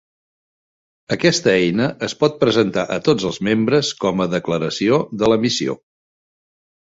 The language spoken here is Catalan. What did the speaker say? Aquesta eina es pot presentar a tots els membres com a declaració de la missió.